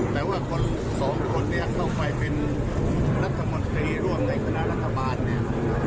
แต่ว่าคนสองคนเนี่ยเข้าไปเป็นรัฐมนตรีร่วมในคณะรัฐบาลเนี่ย